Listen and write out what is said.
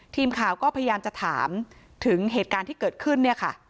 ทีมข่าวก็พยายามจะถามถึงเหตุการณ์ที่เกิดขึ้นเนี่ยค่ะ